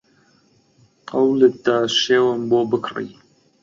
قەولت دا شێوم بۆ بکڕی